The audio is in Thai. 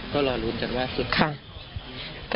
ก็รอรู้จักว่าสุดค่ะ